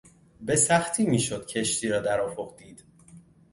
به سختی میشد کشتی را در افق دید.